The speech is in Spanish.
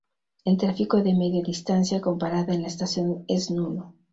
El tráfico de Media Distancia con parada en la estación es nulo.